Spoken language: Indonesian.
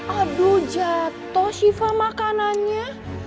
aduh jatoh shiva makanannya